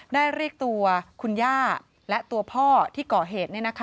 เรียกตัวคุณย่าและตัวพ่อที่ก่อเหตุ